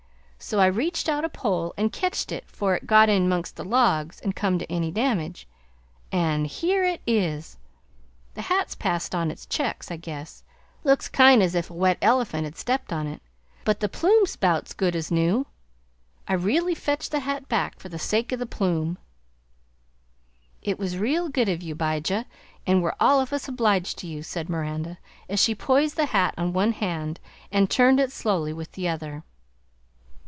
So I reached out a pole an' ketched it fore it got in amongst the logs an' come to any damage, an' here it is! The hat's passed in its checks, I guess; looks kind as if a wet elephant had stepped on it; but the plume's bout's good as new! I reely fetched the hat beck for the sake o' the plume." "It was real good of you, 'Bijah, an' we're all of us obliged to you," said Miranda, as she poised the hat on one hand and turned it slowly with the other.